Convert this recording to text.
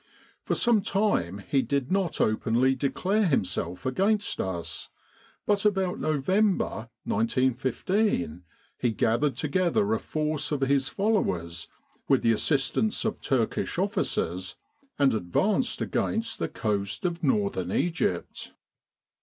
For some time he did not openly declare himself against us, but about November, 1915, he gathered together a force of his followers, with the assistance of Turkish officers, and advanced against the coast of Northern Egypt.